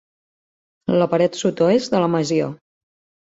La paret sud-oest de la masia.